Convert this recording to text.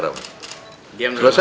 saya belum selesai bicara pak